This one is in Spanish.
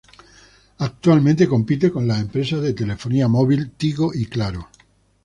Actualmente compite con las empresas de telefonía móvil Tigo y Claro.